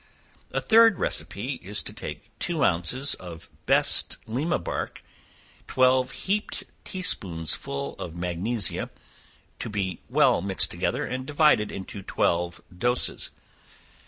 A third recipe is to take two ounces of best Lima bark, twelve heaped tea spoonsful of magnesia, to be well mixed together, and divided into twelve doses.